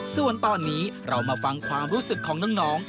ส่วนตอนนี้เรามาฟังความรู้สึกของน้อง